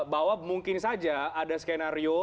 bahwa mungkin saja ada skenario